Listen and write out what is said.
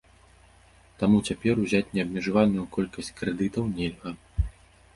Таму цяпер узяць неабмежаваную колькасць крэдытаў нельга.